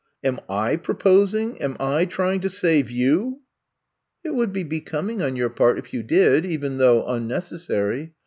Am / proposing, am I trying to save youf *'It would be becoming on your part if you did — even though unnecessary.